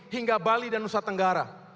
hingga bali dan nusa tenggara